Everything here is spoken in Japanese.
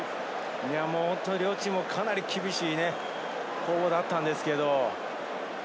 両チームかなり厳しい攻防だったんですけれど。